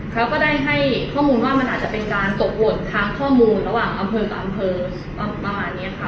เขาก็ได้ให้ข้อมูลว่ามันอาจจะเป็นการตกหล่นทางข้อมูลระหว่างอำเภอกับอำเภอประมาณนี้ค่ะ